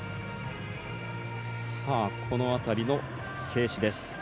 この辺りの静止です。